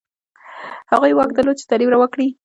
هغوی واک درلود چې تعلیم روا کړي.